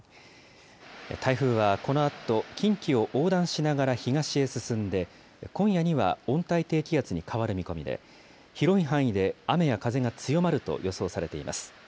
台風はこのあと近畿を横断しながら東へ進んで、今夜には温帯低気圧に変わる見込みで、広い範囲で雨や風が強まると予想されています。